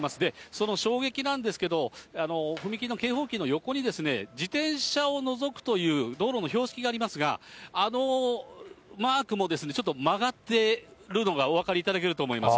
その衝撃なんですけど、踏切の警報機の横にですね、自転車を除くという道路の標識がありますが、あのマークもちょっと曲がってるのがお分かりいただけると思います。